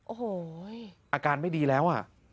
โอ้โหอาการไม่ดีแล้วอ่ะ